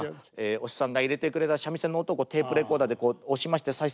お師匠さんが入れてくれた三味線の音をテープレコーダーで押しまして再生。